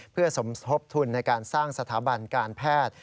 เพื่อสมทบทุนในการสร้างสถาบันการแพทย์